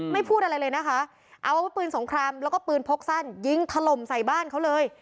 พูดอะไรเลยนะคะเอาอาวุธปืนสงครามแล้วก็ปืนพกสั้นยิงถล่มใส่บ้านเขาเลย